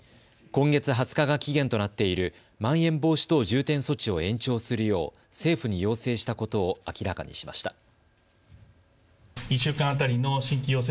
今月２０日が期限となっているまん延防止等重点措置を延長するよう、政府に要請したことを明らかにしました。